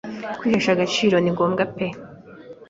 kwihesha agaciro ningombwa pe